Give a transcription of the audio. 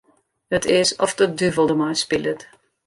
It is oft de duvel dermei spilet.